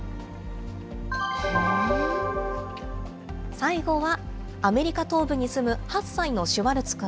最後はアメリカ東部に住む８歳のシュワルツ君。